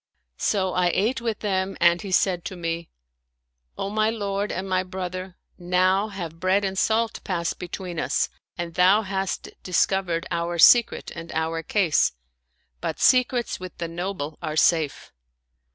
So I ate with them and he said to me, " O my lord and my 'brother, now have bread and salt passed between us and thou hast discovered our secret and our case; but secrets with the noble are safe."